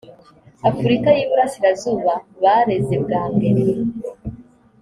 afurika y iburasirazuba bareze bwa mbere